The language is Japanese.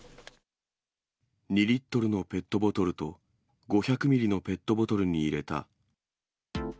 ２リットルのペットボトルと、５００ミリのペットボトルに入れた。